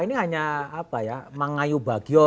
ini hanya apa ya mengayu bagio